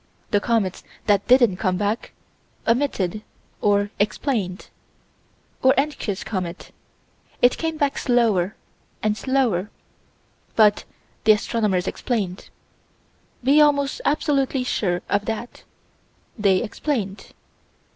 The comets that didn't come back omitted or explained. Or Encke's comet. It came back slower and slower. But the astronomers explained. Be almost absolutely sure of that: they explained.